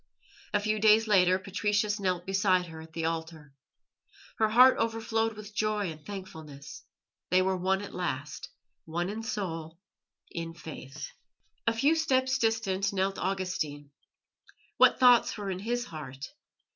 A few days later Patricius knelt beside her at the altar. Her heart overflowed with joy and thankfulness. They were one at last one in soul, in faith. A few steps distant knelt Augustine. What thoughts were in his heart?